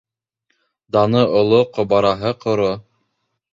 Даны оло, ҡобараһы ҡоро.